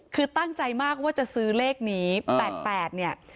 คือตั้งใจมากว่าจะซื้อเลขนี้๘๘เนี่ย